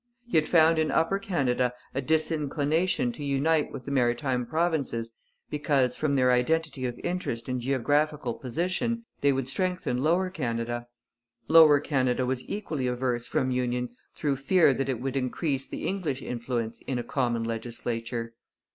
He had found in Upper Canada a disinclination to unite with the Maritime Provinces because, from their identity of interest and geographical position, they would strengthen Lower Canada. Lower Canada was equally averse from union through fear that it would increase the English influence in a common legislature.